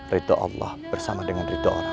ridu allah bersama dengan ridu orang lain